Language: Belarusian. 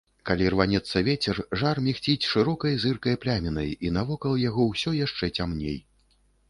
Калі рванецца вецер, жар мігціць шырокай зыркай плямінай, і навокал яго ўсё яшчэ цямней.